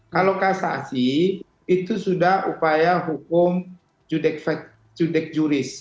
kalau kasasi itu sudah upaya hukum judek juris